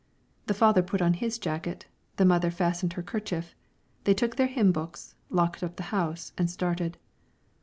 The father put on his jacket, the mother fastened her kerchief; they took their hymn books, locked up the house, and started.